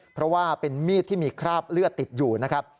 เพราะว่าเป็นมีดที่มีคราบเลือดติดอยู่นะครับ